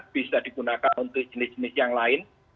bisa digunakan untuk jenis jenis yang lain